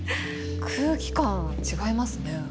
空気感違いますね。